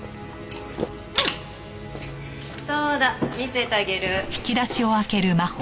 そうだ見せてあげる。